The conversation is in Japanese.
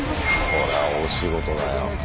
これは大仕事だよ。